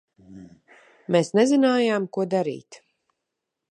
Mēs nezinājām, ko darīt.